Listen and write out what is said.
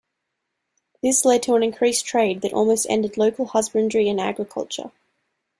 This led to an increased trade that almost ended local husbandry and agriculture.